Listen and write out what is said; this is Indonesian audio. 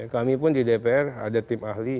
kami pun di dpr ada tim ahli